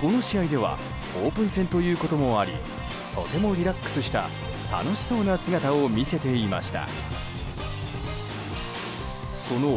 この試合ではオープン戦ということもありとてもリラックスした楽しそうな姿を見せていました。